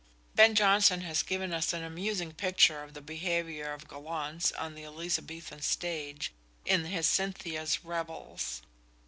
Ben Jonson has given us an amusing picture of the behaviour of gallants on the Elizabethan stage, in his "Cynthia's Revels."